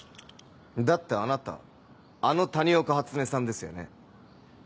だってあなたあの谷岡初音さんですよね？